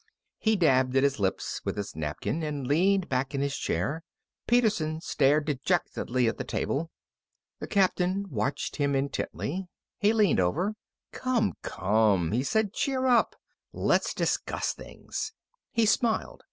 He dabbed at his lips with his napkin and leaned back in his chair. Peterson stared dejectedly at the table. The Captain watched him intently. He leaned over. "Come, come," he said. "Cheer up! Let's discuss things." He smiled.